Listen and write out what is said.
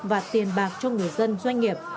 và tiền bạc cho người dân doanh nghiệp